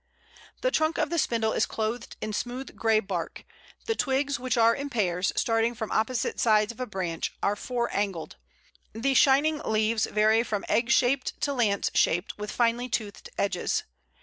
The trunk of the Spindle is clothed in smooth grey bark. The twigs, which are in pairs, starting from opposite sides of a branch, are four angled. The shining leaves vary from egg shaped to lance shaped, with finely toothed edges.